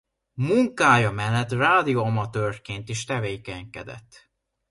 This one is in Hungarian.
Munkája mellett rádióamatőrként is tevékenykedett.